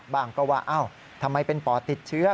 บ้างก็ว่าทำไมเป็นปอดติดเชื้อ